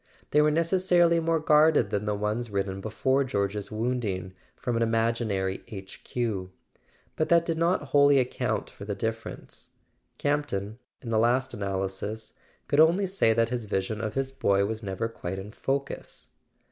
They were necessarily more guarded than the ones written, be¬ fore George's wounding, from an imaginary H. Q.; but that did not wholly account for the difference. Campton, in the last analysis, could only say that his vision of his boy was never quite in focus.